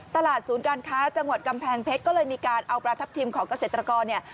ศูนย์การค้าจังหวัดกำแพงเพชรก็เลยมีการเอาประทับทิมของเกษตรกรเนี่ย